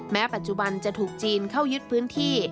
ปัจจุบันจะถูกจีนเข้ายึดพื้นที่